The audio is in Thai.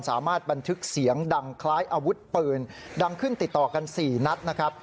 สามารถบันทึกเสียงดังคล้ายอาวุธปืนดังขึ้นติดต่อกัน๔นัดนะครับ